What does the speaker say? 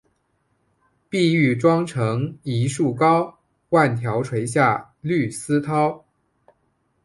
碧玉妆成一树高，万条垂下绿丝绦